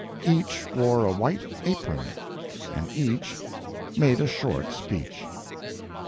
Each wore a white apron, and each made a short speech.